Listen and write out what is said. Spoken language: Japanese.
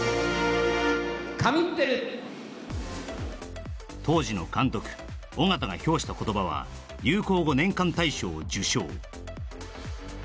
「神ってる」当時の監督・緒方が評した言葉は流行語年間大賞を受賞